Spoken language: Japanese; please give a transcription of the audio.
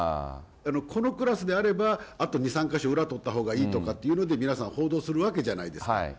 このクラスであれば、あと２、３か所裏を取ったほうがいいとか、皆さん報道するわけじゃないですか。